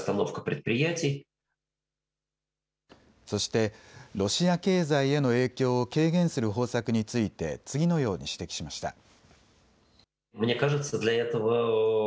そしてロシア経済への影響を軽減する方策について次のように指摘しました。